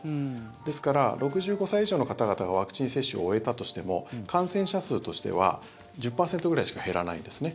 ですから、６５歳以上の方々がワクチン接種を終えたとしても感染者数としては１０％ぐらいしか減らないんですね。